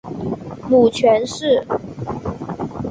母权氏。